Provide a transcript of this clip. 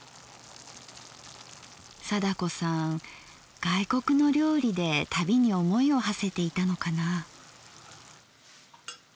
貞子さん外国の料理で旅に思いをはせていたのかなぁ。